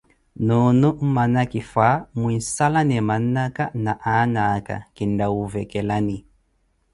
Nuuno mmanakifwa mwinsalane mannakha na annaka, kintta woovekelani.